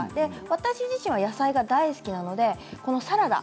私自身、野菜が大好きなのでこのサラダ。